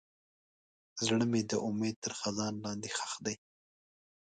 زړه مې د امید تر خزان لاندې ښخ دی.